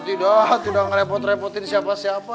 tidak sudah ngerepot repotin siapa siapa